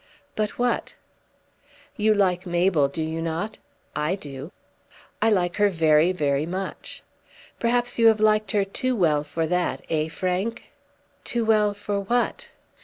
"But what?" "You like Mabel, do you not? I do." "I like her very, very much." "Perhaps you have liked her too well for that, eh, Frank?" "Too well for what?"